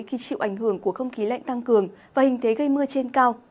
khi chịu ảnh hưởng của không khí lạnh tăng cường và hình thế gây mưa trên cao